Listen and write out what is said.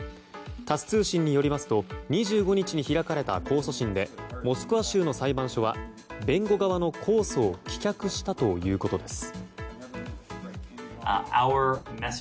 タス通信によりますと２５日に開かれた控訴審でモスクワ州の裁判所は弁護側の控訴を棄却したということです。